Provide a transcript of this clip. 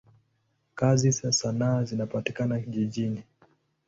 Kazi za sanaa zinapatikana jijini.